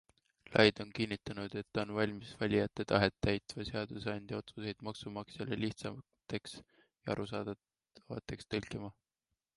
Laid on kinnitanud, et on valmis valijate tahet täitva seaduseandja otsuseid maksumaksjale lihtsateks ja arusaadavateks tõlkima.